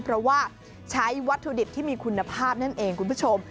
เพราะว่าใช้วัตถุดิบที่มีคุณภาพนั่นเองคุณผู้ชม